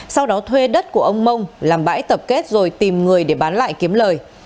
sau đó thuê đất của ông mông làm bãi tập kết rồi tìm người để bán lại kiếm lời